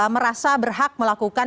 merasa berhak melakukan